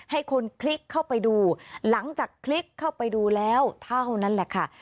ให้คนคลิกเข้าไปดูหลังจากคลิกเข้าไปดูแล้วเท่านั้นแหละค่ะ